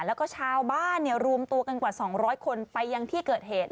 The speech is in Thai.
แล้วก็ชาวบ้านรวมตัวกันกว่า๒๐๐คนไปยังที่เกิดเหตุ